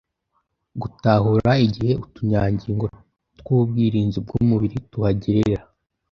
Gutahura igihe utunyangingo tw'ubwirinzi bw'umubiri tuhagerera